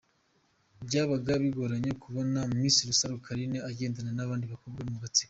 Byabaga bigoranye kubona Miss Rusaro Carine agendana n’abandi bakobwa mu gatsiko.